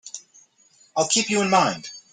I'll keep you in mind.